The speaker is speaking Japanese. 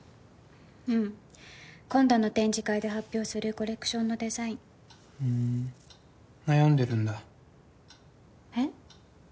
うん今度の展示会で発表するコレクションのデザインふん悩んでるんだえっ？